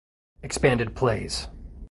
Expanded plays